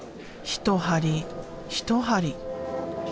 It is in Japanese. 一針一針。